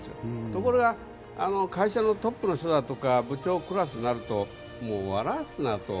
ところがあの会社のトップの人だとか部長クラスになるともう笑わすなと。